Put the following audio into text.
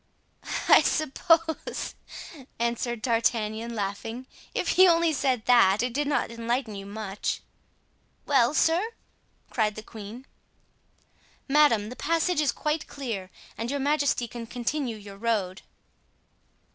'" "I suppose," answered D'Artagnan, laughing, "if he only said that, it did not enlighten you much." "Well, sir!" cried the queen. "Madame, the passage is quite clear and your majesty can continue your road."